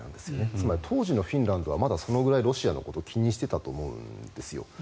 つまり、当時のフィンランドはまだそのぐらいロシアのことを気にしてたと思うんですよ。